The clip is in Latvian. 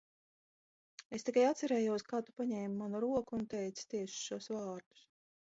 Es tikai atcerējos, kā tu paņēmi manu roku un teici tieši šos vārdus.